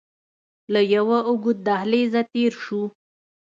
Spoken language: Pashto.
له يوه اوږد دهليزه تېر سو.